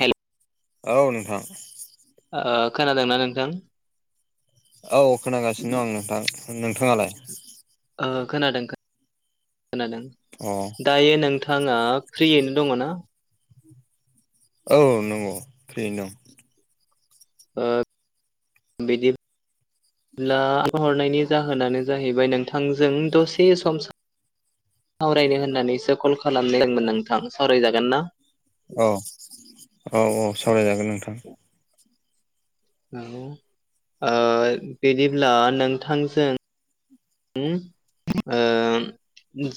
हेल' औ नोंथां ओ खोनादोंना नोंथां? औ खोनागासिनो दं आं नोंथां नोंथाङालाय? ओ खोनादों खो नादों। अ दायो नोंथाङा फ्रियैनो दङ ना? औ नंगौ फ्रियैनो दं। ओ बिदि ब्ला आं हरनायनि जाहोनानो जाहैबाय नोंथांजों दसे सम सावरायनो होननानैसो कल खालामनायदोंमोन नोंथां सावरायजागोन ना? औ औ औ सावरायजागोन नोंथां। [unintelligible] ओ बिदिब्ला नोंथांजों उम ओ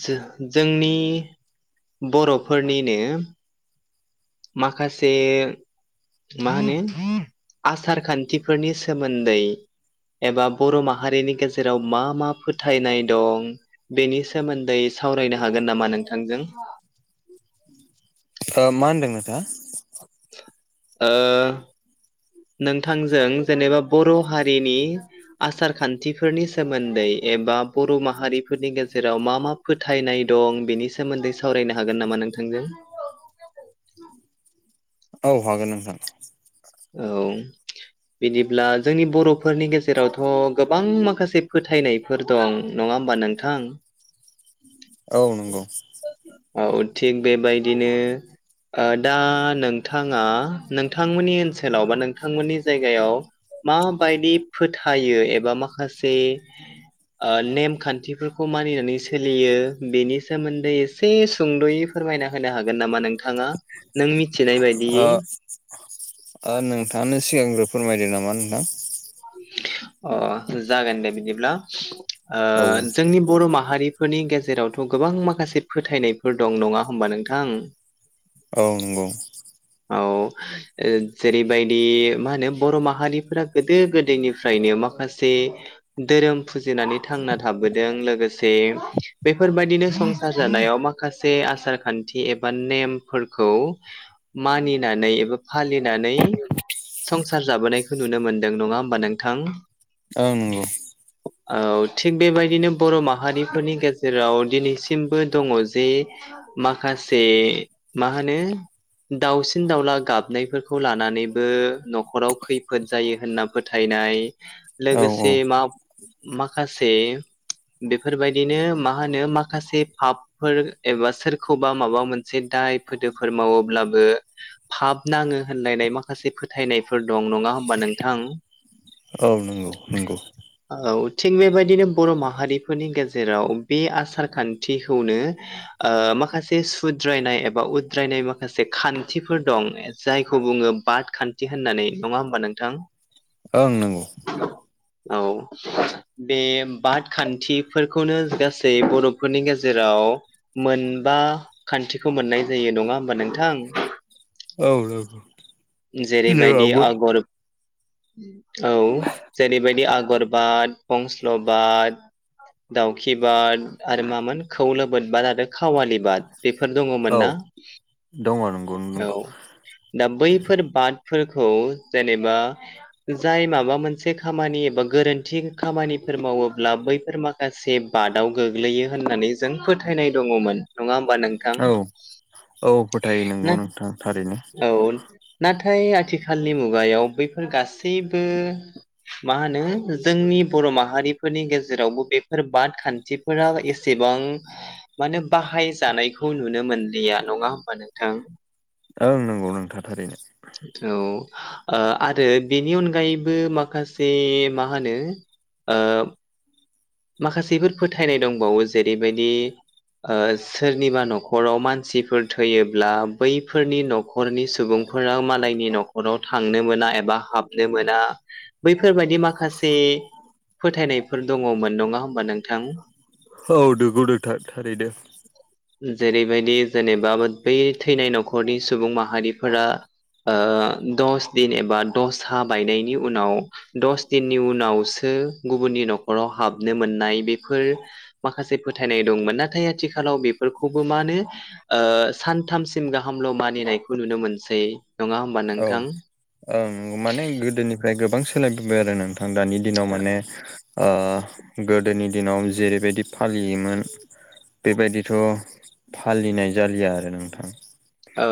जो जोंनि बर'फोरनिनो माखासे मा होनो आसार खान्थिफोरनि सोमोन्दै एबा बर' माहारिनि गेजेराव मा मा फोथायनाय दं बेनि सोमोन्दै सावरायनो हागोन नामा नोंथांजों? ओ मा होनदों नोंथांङा? ओ नोंथांजों जेनेबा बर' हारिनि आसार खान्थिफोरनि सोमोन्दै एबा बर' माहारिफोरनि गेजेराव मा मा फोथायनाय दं बेनि सोमोन्दै सावरायनो हागोन नामा नोंथांजों? औ हागोन नोंथां। औ। बिदिब्ला जोंनि बर'फोरनि गेजेरावथ' गोबां माखासे फोथायनाय फोर दं नङा होमबा नोंथां? औ नंगौ। औ थिग बेबायदिनो ओ दा नोंथाङा नोंथांमोननि ओनसोलाव बा नोंथांमोननि जायगायाव माबायदि फोथायो एबा माखासे ओ नेमखान्थिफोरखौ मानिनानै सोलियो बेनि सोमोन्दै एसे सुंद'यै फोरमायना होनो हागोन नामा नोंथाङा? नों मि ओ नोंथाङानो सिगांग्रो फोरमायदो नामा नोंथां अ जागोन दे बिदिब्ला ओ औ जोंनि बर' माहारिफोरनि गेजेरावथ' गोबां माखासे फोथायनायफोर दं नङा होमबा नोंथां? [inaudible] औ नंगौ। औ जेरैबायदि मा होनो बर' माहारिफोरा गो दो गोदोनिफ्रायनो माखासे धोरोम फुजिनानै थांना थाबोदों लोगो से बेफोरबायदिनो संसार जानायाव मा माखासे आसार खान्थि एबा नेमफोरखौ मानिनानै एबा फालिनानै संसार जाबोनायखौ नुनो मोन दों नङा होमबा नोंथां? आ नंगौ। औ थिग बेबायदिनो बर' माहारिफोरनि गेजेराव दिनैसिमबो दङ जे माखासे मा होनो दावसिन दावला गाबनायफोरखौ लानानैबो न'खराव खैफोद जायो होनना फोथायनाय। औ लोगोसे औ मा माखासे बेफोरबायदिनो मा होनो माखासे फाफ फोर एबा सोरखौबा माबा मोनसे दाय फोदोफोर मावोब्लाबो फाब नाङो होनलायनाय माखासे फोथायनायफोर दं नङा होनोमबा नों औ नंगौ नंगौ औ थिग बेबायदिनो बर' माहारिफोरनि गेजेराव बे आसार खान्थिखौनो ओ माखासे सुद्रायनाय एबा उद्रायनाय माखासे खान्थिफोर दं जायखौ बुङो बाद खान्थि होननानै नङा होमबा नोंथां? ओं नंगौ। औ। बे बाद खान्थिफोरखौनो गासै बर'फोरनि गेजेराव मोनबा खान्थिखौ मोननाय जायो नङा होमबा नोंथां? औ औ। जेरैबायदि आगर औ जेरैबायदि आगर बाद फंसल' बाद दाउखि बाद आरो मामोन खौलोबोद बाद आरो खावालि बाद। बेफोर दङमोन औ ना दङ नंगौ औ नंगौ दा बै फोर बादफोरखौ जेनेबा जाय माबा मोनसे खामानि एबा गोरोन्थि खामानिफोर मावोब्ला बैफोर माखा खासे बादाव गोग्लैयो होननानै जों फोथायनाय दङमोन नङा होमबा नोंथां? औ औ फोथायो ना नंगौ नोंथां थारैनो। औ नाथाय आथिखालनि मुगायाव बैफोर गासैबो मा होनो जोंनि बर' माहारिफोरनि गेजेरावबो बेफोर बाद खान्थ थिफोरा एसेबां माने बाहाय जानायखौ नुनो मोनलिया नङा होमब होमबा नोंथां? ओं नंगौ नोंथां थारैनो। औ। ओ आरो बेनि अनगायैबो माखासे मा होनो ओ माखासेफोर फोथायनाय दंबावो जेरैबायदि ओ सोरनिबा न'खराव मानसिफोर थैयोब्ला बैफोरनि न'ख खरनि सुबुंफोरा मालायनि न'खराव थांनो मोना एबा हाबनो मोना। बैफोरबायदि माखासे फोथायनायफोर दङमोन नङा होमबा नों औ नंगौ नोंथां थारैनो। जेरैबायदि जेनेबा बै थैनाय न'खरनि सुबुं माहारिफोरा ओ दस दिन एबा दसा बायनायनि उनाव दस दिननि उनावसो गुबुननि न'खराव हाबनो मोननाय बेफोर माखासे फोथायनाय दंमोन नाथाय आथिखालाव बेफोरखौबो मा होनो आ सानथामसिम गाहामल' मानिनायखौ नुनो मोनसै। नङा होमबा औ नोंथां ओं माने गोदोनिफ्राय गोबां सोलायबोबाय आरो नोंथां दानि दिनाव माने ओ गोदोनि दिनाव जेरैबायदि फालियोमोन बेबायदिथ' फालिनाय जालिया आरो नोंथां। औ।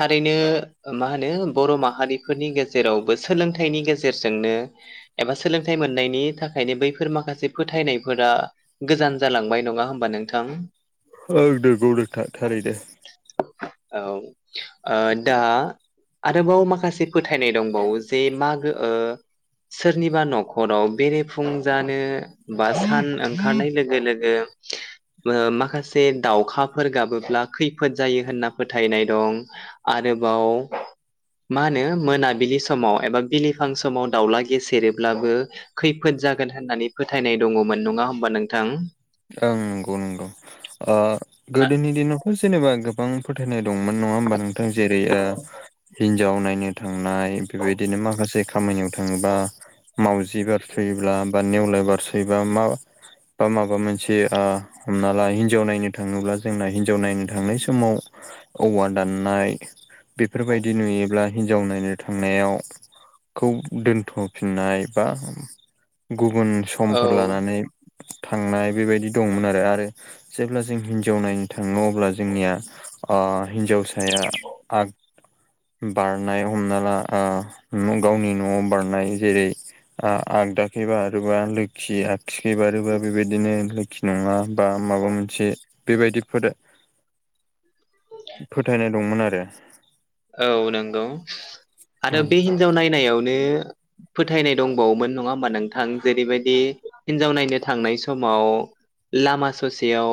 थारैनो मा होनो बर' माहारिफोरनि गेजेरावबो सोलोंथाइनि गेजेरजोंनो एबा सोलोंथाइ मोननायनि थाखायनो बैफोर माखासे फोथायनायफोरा गोजान जालांबाय नङा होमबा नोंथां? औ नंगौ नोंथां थारैनो। औ ओ दा आरोबाव माखासे फोथायनाय दंबावो जे माग गो ओ सोरनिबा न'खराव बेरेफुंजानो बा सान ओंखारनाय लोगो लोगो ओ माखासे दावखाफोर गाबोब्ला खैफोद जायो होनना फोथायनाय दं आरोबाव मा होनो मोनाबिलि समाव एबा बिलिफां समाव दाउला गेसेेरोब्लाबो खैफोद जागोन होननानै फोथायनाय दङमोन नङा होमबा नोंथां? ओं नंगौ नंगौ ओ ना गोदोनि दिनावथ' जेनेबा गोबां फोथायनाय दंमोन नङा होमबा नोंथां जेरै ओ हिनजाव नायनो थांनाय बेबायदिनो माखासे खामानियाव थाङोबा मावजि बारस'योब्ला बा नेवलाय बारस'योबा मा बा माबा मोनसे से ओ हमना ला हिनजाव नायनो थाङोब्ला जोंना हिनजाव नायनो थांनाय समाव औवा दाननाय बेफोरबायदि नुयोब्ला हिन्जाव नायनो थांनायाव खौ दोनथ'फिननाय बा गुबुन औ समफोर लानानै थांनाय बेबायदि दंमोन आरो आरो जेब्ला जों हिनजाव नायनो थाङो अब्ला जोंनिया हिन्जावसाया आग बारनाय हमना ला गावनि न'आव बारनाय जेरै ओ आगदाखै बारोबा लोखि आगसिखै बारोबा बेबायदिनो लखि नङा बा माबा मोनसे बेबायदि फोथायनाय दंमोन आरो। औ नंगौ औ आरो बे हिनजाव नायनायावनो। फोथायनाय दंबावोमोन नङा होमबा नोंथां जेरैबायदि हिनजाव नायनो थांनाय समाव। लामा ससेयाव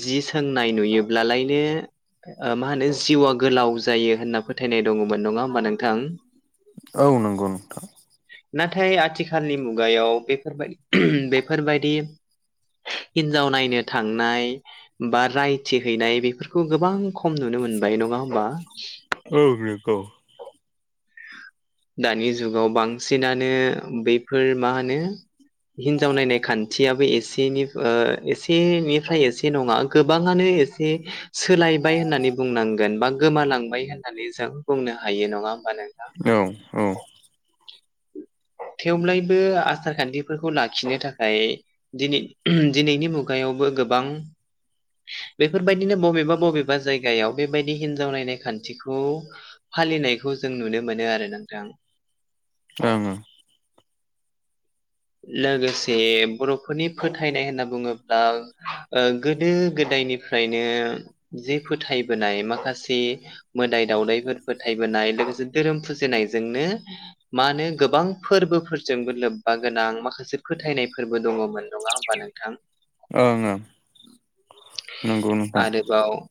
जि सोंनाय नुयोब्लालायनो मा होनो जिउआ गोलाव जायो होनना फोथायनाय दङमोन नङा होमबा नोंथां? औ नंगौ नोंथां। नाथाय आथिखालनि मुगायाव बेफोरबाय बेफोरबायदि हिन्जाव नायनो थांनाय बा रायथि हैैनाय बेफोरखौ गोबां खम नुनो मोनबाय नङा होमबा? औ नंगौ। दानि जुगाव बांसिनानो बैफोर मा होनो हिनजाव नायनाय खान्थियाबो एसेनि ओ एसेनिफ्राय एसे नङा गोबाङानो। सोलायबाय होननानै बुंनांगोन बा गोमालांबाय होननानै जों बुंनो हायो नङा होमबानो औ-औ। थेव्लायबो आसार खान्थिफोरखौ लाखिनो थाखाय। दि दिनैनि मुगायावबो गोबां बेफोरबायदिनो बबेबा-बबेबा जायगायाव बेबायदि हिनजाव नायनाय खान्थिखौ फालिनायखौ जों नुनो मोनो आरो नोंथां। ओं-ओं। लोगोसे बर'फोरनि फोथायनाय होनना बुङोब्ला ओ गोदो गोदायनि फ्रायनो जे फोथायबोनाय माखासे मोदाय दावदायफोर फोथायबोनाय लोगोसे धोरोम फुजिनायजोंनो मा होनो गोबां फोरबोफोरजोंबो लोब्बा गोनां माखासे फोथायनायफोरबो दङमोन नङा होमबा नोंथां? ओं-ओं नंगौ नोंथां। औ।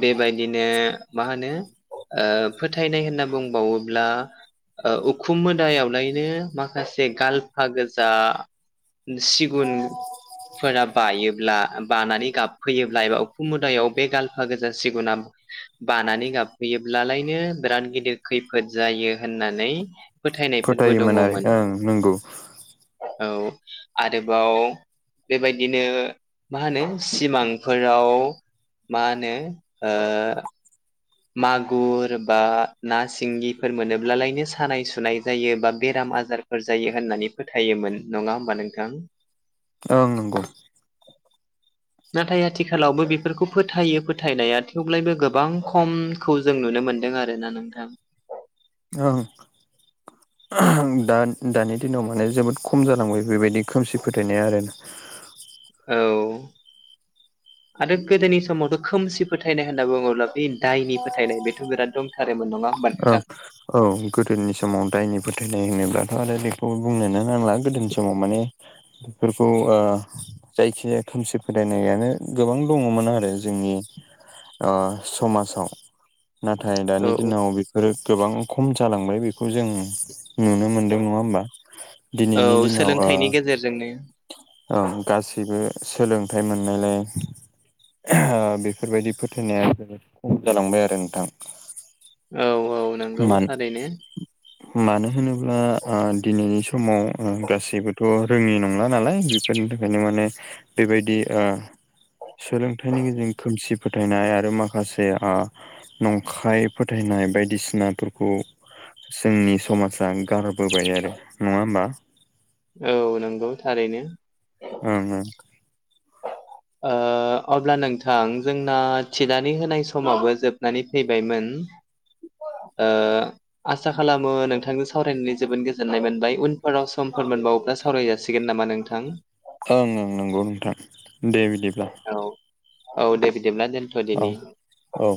बेबायदिनो मा होनो ओ फोथायनाय होनना बुंबावोब्ला उखुम मोदायावलायनो माखासे गालफा गोजा सिगुनफोरा बायोब्ला बानानै गाब फैयोब्ला एबा उखुम मुदायाव बे गाल्फा गोजा सिगुना बानानै गाबहैयोब्लालायनो बिराद गिदिर खैफोद जायो होननानै फोथायनायफोरबो फोथायोमोन आरो दङमोन। ओं नंगौ औ आरोबाव बेबायदिनो मा होनो सिमांफोराव मा होनो ओ मागुर बा ना सिंगिफोर मोनोब्लालायनो सानाय सुनाय जायो बा बेराम आजार फोर जायो होननानै फोथायोमोन नङा होमबा नोंथां? ओं नंगौ। नाथाय आथिखालावबो बेफोरखौ फोथायो फोथायनाया थेवब्लाायबो गोबां खम। खौ जों नुनो मोन्दों आरोोना नोंथां। ओं। दा दानि दिनाव माने जोबोद खम जालांबाय बेबायदि खोमसि फोथायनाया आरोना। औ। आरो गोदोनि समावथ' खोमसि फोथायनाय होनना बुङोब्ला बे दायनि फोथायनाय बेथ' बिराद दंथारोमोन नङा होमबा औ। नोंथां औ गोदोनि समाव दायनि फोथायनाय होनोब्लाथ' आरो बेखौ बुंनोनो नांला गोदोनि समाव माने बेफोरखौ ओ जायखिजाया खोमसि फोथायनायानो गोबां दङमोन आरो जोंनि ओ समाजाव। नाथाय दानि औ दिनाव बेफोरो गोबां खम जालांबाय बेखौ जों नुनो मोनदों नङा होमबा दिनैनि दिनाव ओ गेजेरजोंनि ओं गासैबो सोलोंथाइ मोननायलाय बेफोरबायदि फोथायनाया जोबोद खम जालांबाय आरो नोंथां औ औ नंगौ मानो थारैनो मानो होनोब्ला दिनैनि समाव गासैबोथ' रोङि नंला नालाय बेफोरनि थाखायनो माने बेबायदि ओ सोलोंथायाइनि गेजेरजों खोमसि फोथायनाय आरो माखासे ओ नंखाय फोथायनाय बायदिसिनाफोरखौ जोंनि समाजा गारबोबाय आरो नङा होमबा औ नंगौ थारैनो। ओम ओम। ओ अब्ला नोंथां जोंना थिलानानै होनाय समावबो जोबनानै फैबायमोन ओ। आसा खालामो नोंथांजों सावरायनानै जोबोद गोजोननाय मोनबाय उनफोराव समफोर मोनबावोब्ला सावराय जाासिगोन नामा नोंथां ओं ओं नंगौ नोंथां दे बिदिब्ला औ औ दे बिदिब्ला दोनथ औ दिनि औ